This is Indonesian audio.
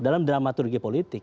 dalam dramaturgi politik